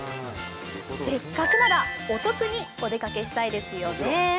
せっかくなら、お得にお出かけしたいですよね。